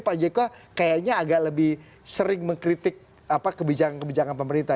pak jk kayaknya agak lebih sering mengkritik kebijakan kebijakan pemerintah